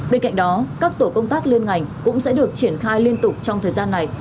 bên cạnh đó các tổ công tác liên ngành cũng sẽ được triển khai liên tục trong thời gian này